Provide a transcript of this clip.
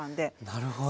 なるほど。